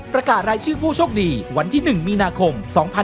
ผู้โชคดีวันที่๑มีนาคม๒๕๖๖